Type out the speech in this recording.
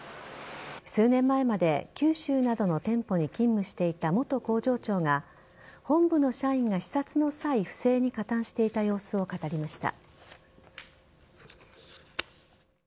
数年前まで九州などの店舗に勤務していた元工場長が本部の社員が視察の際不正に加担していた様子を語りました。